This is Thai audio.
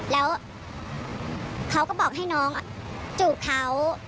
แล้วเขาก็บอกให้น้องจูบเขา